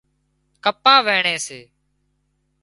ڪپا وينڻي سي